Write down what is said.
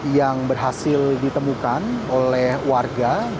yang berhasil ditemukan oleh warga